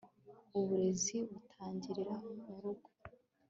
uburezi butangirira murugo